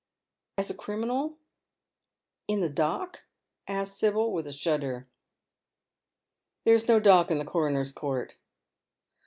'' As a criminal — in the dock ?" asks Sibyl, with a shudder. " There is no dock in the coroner's court."